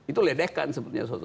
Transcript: itu ledekan sebetulnya soto